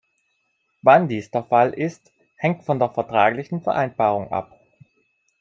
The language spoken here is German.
Wann dies der Fall ist, hängt von der vertraglichen Vereinbarung ab.